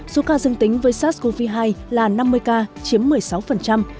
số ca dương tính với sars cov hai là năm mươi ca chiếm một mươi sáu